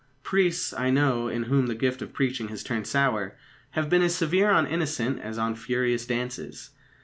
Priests, I know, in whom the gift of preaching has turned sour, have been as severe on innocent as on furious dances.